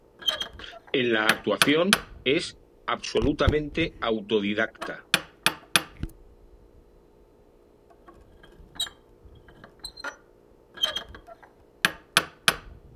En la actuación es absolutamente autodidacta.